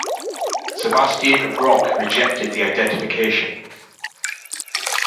Sebastian Brock rejected the identification.